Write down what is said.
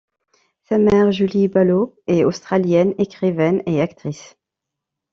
Sa mère, Julie Balloo, est australienne, écrivaine et actrice.